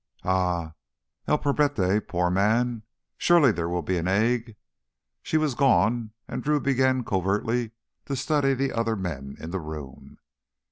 "Ah—el pobrete—poor man! Surely there will be an egg!" She was gone and Drew began covertly to study the other men in the room.